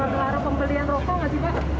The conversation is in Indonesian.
bapak soal pembelian rokok gak sih pak